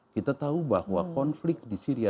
kita tahu bahwa konflik di syria